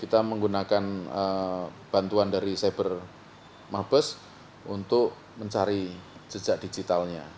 kita menggunakan bantuan dari cybermabes untuk mencari jejak digitalnya